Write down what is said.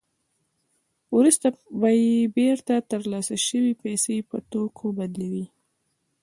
وروسته به یې بېرته ترلاسه شوې پیسې په توکو بدلولې